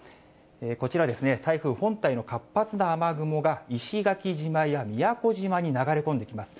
こちらですね、台風本体の活発な雨雲が、石垣島や宮古島に流れ込んでいきます。